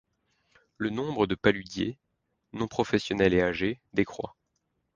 Le nombre de paludiers, non professionnels et âgés, décroît.